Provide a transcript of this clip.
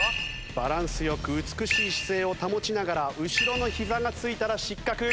バランス良く美しい姿勢を保ちながら後ろのひざがついたら失格。